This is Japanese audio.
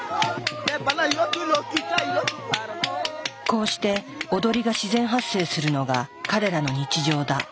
こうして踊りが自然発生するのが彼らの日常だ。